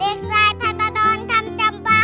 เด็กชายพัตตาดอนทำจำปลา